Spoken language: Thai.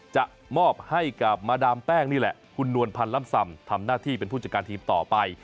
จะมอบให้กับมาดามแป้งนี่แหละคุณนวลพันธ์ล่ำซำทำหน้าที่เป็นผู้จัดการทีมต่อไป